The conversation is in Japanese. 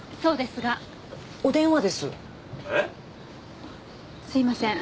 すいません。